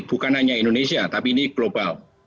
bukan hanya indonesia tapi ini global